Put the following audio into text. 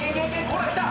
ほらきた！